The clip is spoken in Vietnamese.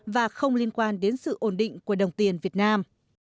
và không liên quan đến sự ổn định của đồng tiền việt nam